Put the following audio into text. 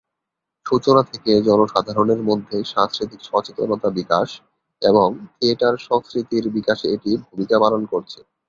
সূচনা থেকে জনসাধারণের মধ্যে সাংস্কৃতিক সচেতনতা বিকাশ এবং থিয়েটার সংস্কৃতির বিকাশে এটি ভূমিকা পালন করছে।